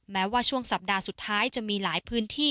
แม้ว่าช่วงสัปดาห์สุดท้ายจะมีหลายพื้นที่